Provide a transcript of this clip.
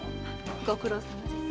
ご苦労さまです。